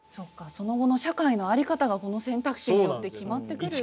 その後の社会の在り方がこの選択肢によって決まってくるっていう。